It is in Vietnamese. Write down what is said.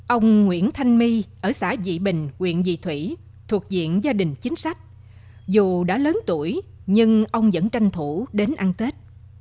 ông nguyễn thanh my ở xã dị bình quyện dị thủy thuộc diện gia đình chính sách dù đã lớn tuổi nhưng ông vẫn tranh thủ đến ăn tết